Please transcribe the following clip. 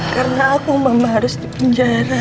karena aku mama harus dipenjara